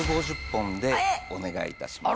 お願いいたします。